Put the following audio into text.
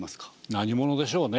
何者でしょうね？